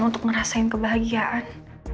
untuk ngerasain kebahagiaan